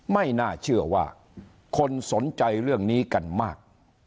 ไม่น่าเชื่อว่าคนสนใจเรื่องนี้กันมาก